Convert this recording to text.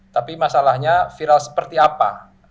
tapi masalahnya viral seperti apa